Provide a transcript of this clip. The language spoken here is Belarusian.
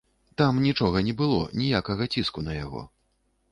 Там нічога не было, ніякага ціску на яго.